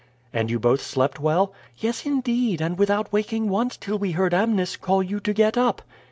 "And you both slept well?" "Yes, indeed, and without waking once till we heard Amnis call you to get up."